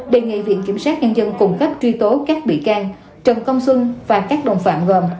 đề nghị viện kiểm sát nhân dân cung cấp truy tố các bị can trần công xuân và các đồng phạm gồm